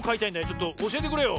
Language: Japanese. ちょっとおしえてくれよ。